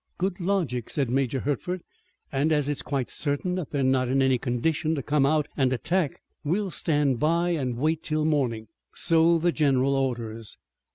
"Good logic," said Major Hertford, "and as it is quite certain that they are not in any condition to come out and attack us we'll stand by and wait till morning. So the general orders."